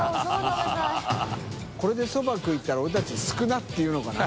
海譴そば食いに行ったら俺たち「少ない」って言うのかな？